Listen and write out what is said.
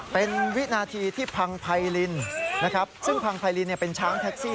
เป็นวินาทีที่พังไพรินนะครับซึ่งพังไพรินเป็นช้างแท็กซี่